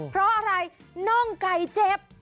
เพราะอะไรน่องไก่เจ็บ